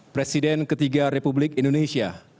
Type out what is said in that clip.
presiden ketiga republik indonesia